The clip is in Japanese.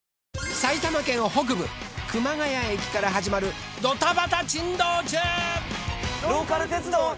埼玉県北部熊谷駅から始まるドタバタ珍道中！